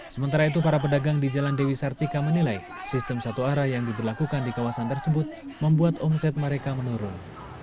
sementara itu para pedagang di jalan dewi sartika menilai sistem satu arah yang diberlakukan di kawasan tersebut membuat omset mereka menurun